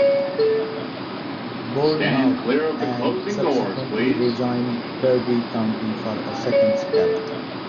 Bournemouth and subsequently rejoined Derby County for a second spell.